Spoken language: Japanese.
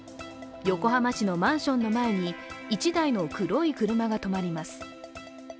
横浜市のマンションの前に１台の黒い車が止まります。